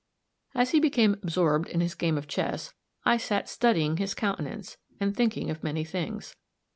As he became absorbed in his game of chess, I sat studying his countenance, and thinking of many things.